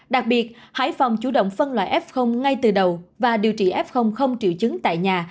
đặc biệt hải phòng chủ động phân loại f ngay từ đầu và điều trị f không triệu chứng tại nhà